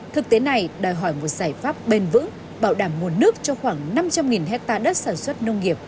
thực tế này đòi hỏi một giải pháp bền vững bảo đảm nguồn nước cho khoảng năm trăm linh hectare đất sản xuất nông nghiệp